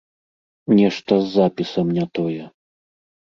Нешта з запісам не тое.